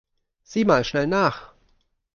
Sieh mal schnell nach!